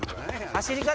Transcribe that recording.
走り方！